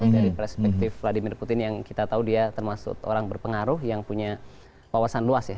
dari perspektif vladimir putin yang kita tahu dia termasuk orang berpengaruh yang punya wawasan luas ya